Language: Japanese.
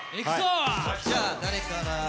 じゃあ誰から？